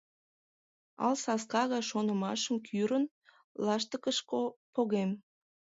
Ал саска гай шонымашым кӱрын, лаштыкыш погем.